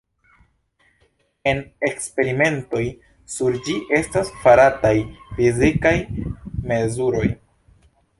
En eksperimentoj sur ĝi estas farataj fizikaj mezuroj.